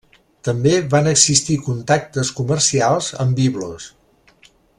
També van existir contactes comercials amb Biblos.